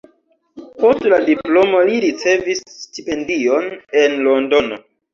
Post la diplomo li ricevis stipendion en Londono.